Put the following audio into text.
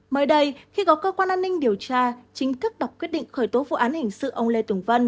mới đây khi có cơ quan an ninh điều tra chính thức đọc quyết định khởi tố vụ án hình sự ông lê tùng vân